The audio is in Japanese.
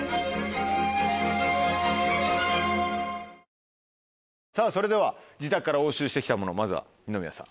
こちらのそれでは自宅から押収して来たものまずは二宮さん。